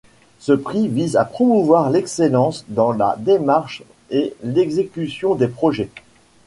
Ce prix vise à promouvoir l'excellence dans la démarche et l'exécution des projets.